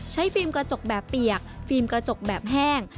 ฟิล์มกระจกแบบเปียกฟิล์มกระจกแบบแห้ง